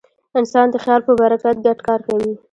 انسان د خیال په برکت ګډ کار کوي.